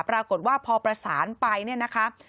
ปรากฏว่าพอประสานไปเนี่ยนะคะ